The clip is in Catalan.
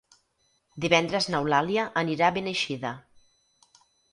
Divendres n'Eulàlia anirà a Beneixida.